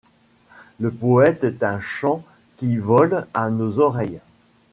Le poète est un chant qui vole à nos oreilles ;